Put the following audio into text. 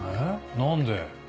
何で？